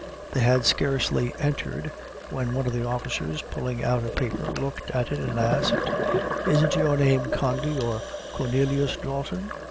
They had scarcely entered, when one of the officers pulling out a paper, looked at it and asked, "Isn't your name Condy or Cornelius Dalton?"